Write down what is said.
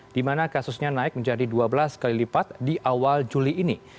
di mana kasusnya naik menjadi dua belas kali lipat di awal juli ini